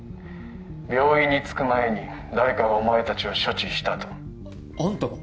病院に着く前に誰かがお前達を処置したとアンタが！？